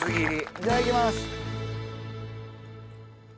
いただきます。